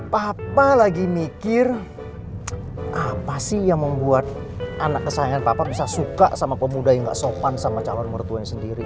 papa lagi mikir apa sih yang membuat anak kesayangan papa bisa suka sama pemuda yang gak sopan sama calon mertuanya sendiri